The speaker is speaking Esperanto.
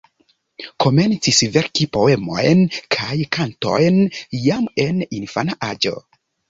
Komencis verki poemojn kaj kantojn jam en infana aĝo.